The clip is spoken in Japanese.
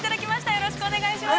よろしくお願いします。